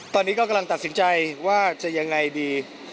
ตอนนี้ก็กำลังตัดสินใจว่าจะยังไงดี